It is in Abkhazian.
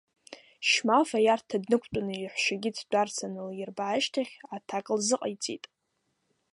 Шьмаф аиарҭа днықәтәаны иаҳәшьагьы дтәарц анылирба ашьҭахь аҭак лзыҟаиҵеит.